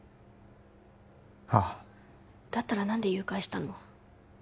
ああだったら何で誘拐したの？